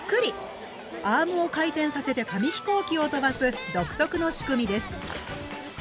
アームを回転させて紙飛行機を飛ばす独特の仕組みです。